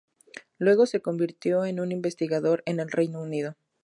Luego se convirtió en investigador en el Reino Unido.